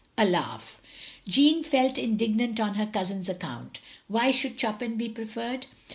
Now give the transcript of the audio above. A laugh. Jeanne felt indignant on her cousin's account. Why should Chopin be preferred?